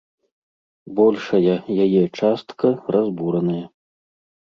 Большая яе частка разбураная.